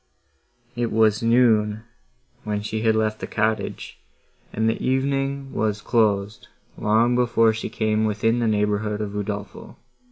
It was noon when she had left the cottage, and the evening was closed, long before she came within the neighbourhood of Udolpho.